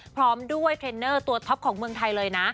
พร้อมด้วยเทรนเนอร์ตัวท็อปของเมืองไทยเลยนะ